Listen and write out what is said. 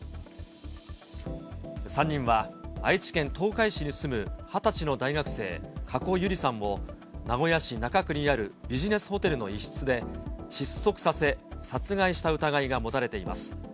３人は、愛知県東海市に住む２０歳の大学生、加古結莉さんを、名古屋市中区にあるビジネスホテルの一室で、窒息させ、殺害した疑いが持たれています。